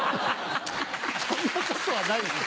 そんなことはないです